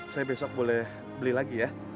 saya besok boleh beli lagi ya